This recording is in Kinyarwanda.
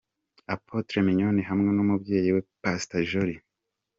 Apotre Mignone hamwe n'umubyeyi we Pastor Julie.